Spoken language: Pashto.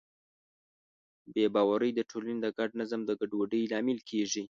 بې باورۍ د ټولنې د ګډ نظم د ګډوډۍ لامل کېږي.